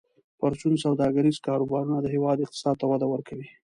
پرچون سوداګریز کاروبارونه د هیواد اقتصاد ته وده ورکوي.